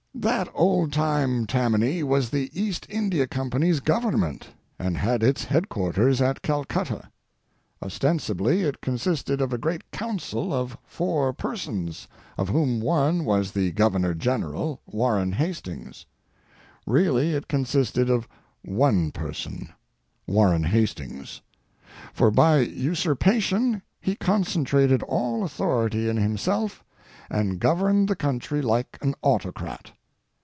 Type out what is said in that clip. That old time Tammany was the East India Company's government, and had its headquarters at Calcutta. Ostensibly it consisted of a Great Council of four persons, of whom one was the Governor General, Warren Hastings; really it consisted of one person—Warren Hastings; for by usurpation he concentrated all authority in himself and governed the country like an autocrat.